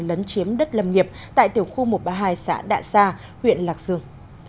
lấn chiếm đất lâm nghiệp tại tiểu khu một trăm ba mươi hai xã đạ sa huyện lạc dương